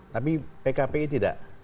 tapi pkpi tidak